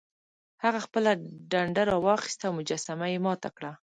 هغه خپله ډنډه راواخیسته او مجسمه یې ماته کړه.